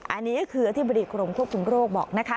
อันนี้ก็คืออธิบดีกรมควบคุมโรคบอกนะคะ